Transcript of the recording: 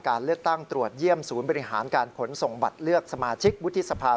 การเลือกตั้งตรวจเยี่ยมศูนย์บริหารการขนส่งบัตรเลือกสมาชิกวุฒิสภา